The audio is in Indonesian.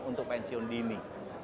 untuk pensiun dini